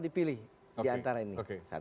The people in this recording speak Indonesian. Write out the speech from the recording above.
di antara ini